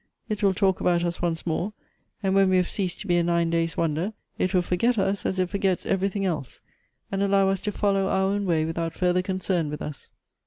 It will talk about us once more ; and when we have ceased to be a nine days' wonder, it will forget us as it forgets everything else, and allow us to follow our own way without further concern with us."